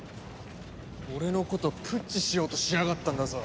俺のことプッチしようとしやがったんだぞ？